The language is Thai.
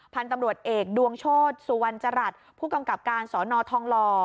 พันธุ์ตำรวจเอกดวงโชธสุวรรณจรัฐผู้กำกับการสอนอทองหล่อ